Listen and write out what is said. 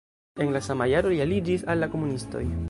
En la sama jaro li aliĝis al la komunistoj.